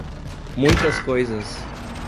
Muitas coisas